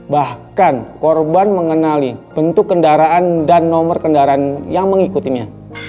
bahkan korban mengenali bentuk kendaraan dan nomor kendaraan yang mengikutinya